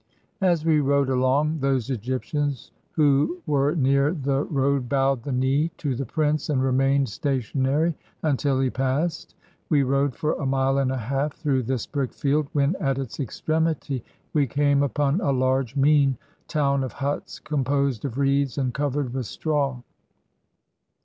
As we rode along, those Egyptians who were near the road bowed the knee to the prince, and remained sta tionary until he passed. We rode for a mile and a half through this brick field, when at its extremity we came upon a large, mean town of huts composed of reeds and covered with straw.